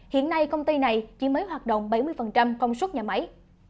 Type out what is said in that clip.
hiện nay công ty này chỉ mới hoạt động bảy mươi công suất nhà máy